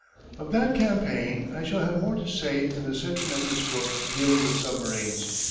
Of that campaign I shall have more to say in the section of this book dealing with submarines.